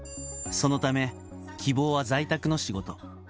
そのため、希望は在宅の仕事。